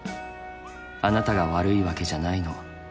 あなたが悪いわけじゃないの。